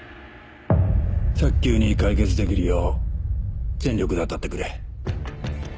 早急に解決できるよう全力で当たってくれ。